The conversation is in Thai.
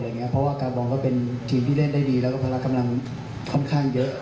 เพราะว่าการมองก็เป็นทีมที่เล่นได้ดีแล้วก็ภาระกำลังค่อนข้างเยอะ